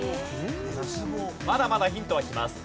まだまだヒントはきます。